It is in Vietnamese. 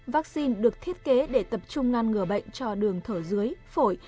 vaccine được thiết kế để tập trung ngăn ngừa bệnh cho đường thở dưới phổi